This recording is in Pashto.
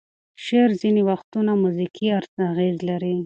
شعر ځینې وختونه موزیکي اغیز لري.